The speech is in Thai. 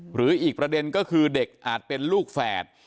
หรืออีกประเด็นก็คือเด็กอาจเป็นลูกแฝด